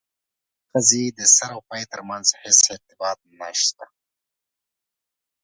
د دې قضیې د سر او پای ترمنځ هیڅ ارتباط نسته.